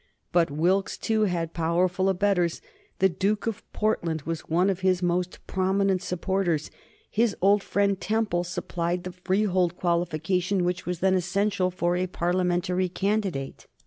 But Wilkes, too, had powerful abettors. The Duke of Portland was one of his most prominent supporters. His old friend Temple supplied the freehold qualification which was then essential for a Parliamentary candidate.